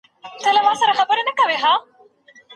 حنفي فقه د حقوقو په ساتنه کي مخکښه ده.